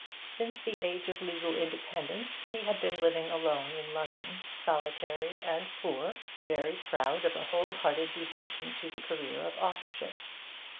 Since the age of legal independence he had been living alone in London, solitary and poor, very proud of a wholehearted devotion to the career of authorship.